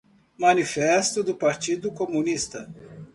Manifesto do Partido Comunista